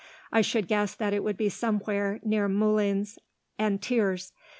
I should guess that it would be somewhere between Moulins and Thiers.